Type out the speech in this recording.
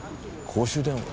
公衆電話？